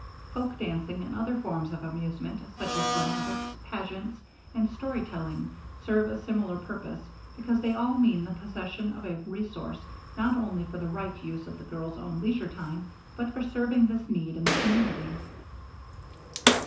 Folk dancing and other forms of amusement, such as dramatics, pageants, and story telling, serve a similar purpose because they all mean the possession of a resource not only for the right use of the girl's own leisure time, but for serving this need in the community.